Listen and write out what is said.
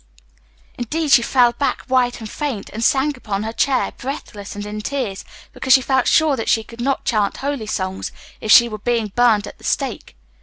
Indeed, she fell back white and faint, and sank upon her chair, breathless and in tears, because she felt sure that she could not chant holy songs if she were being burned at the stake.